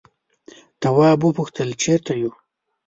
تواب وپوښتل چیرته یو.